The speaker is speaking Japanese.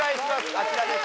あちらです